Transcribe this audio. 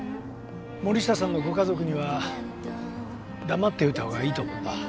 森下さんのご家族には黙っておいた方がいいと思うんだ。